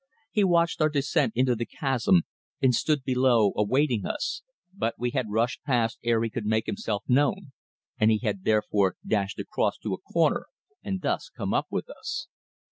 He watched our descent into the chasm and stood below awaiting us, but we had rushed past ere he could make himself known, and he had therefore dashed across to a corner and thus come up with us.